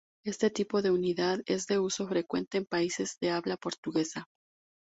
Este tipo de unidad es de uso frecuente en países de habla portuguesa.